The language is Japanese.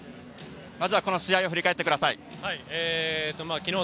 まずはこの試合を振り返ってください。